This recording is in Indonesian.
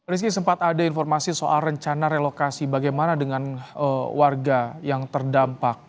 rizky sempat ada informasi soal rencana relokasi bagaimana dengan warga yang terdampak